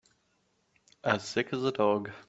As sick as a dog.